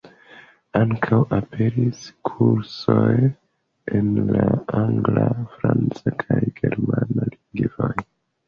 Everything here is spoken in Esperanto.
Ankaŭ aperis kursoj en la angla, franca kaj germana lingvoj.